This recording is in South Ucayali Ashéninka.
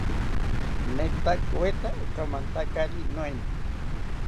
Netakoweta okamantakari noena